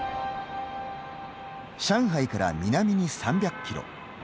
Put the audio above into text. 上海から南に３００キロ。